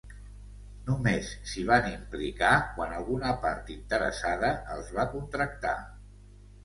Només s'hi van implicar quan alguna part interessada els va contractar.